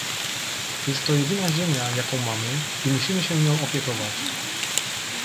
Jest to jedyna ziemia, jaką mamy, i musimy się nią opiekować